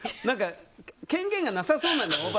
何か権限がなさそうなのよ